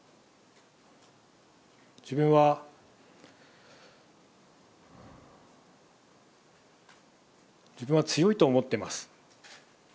自分は、自分は強いと思ってます。